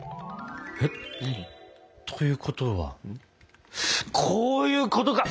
何？ということはこういうことか！